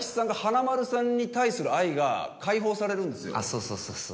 そうそうそうそう。